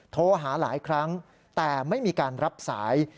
โทรหาหลายครั้งแต่ไม่มีการรับสาย